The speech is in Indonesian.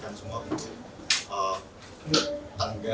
nanti baru mungkin kita bicarakan